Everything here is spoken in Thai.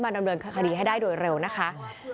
ดำเนินคดีให้ได้โดยเร็วนะคะ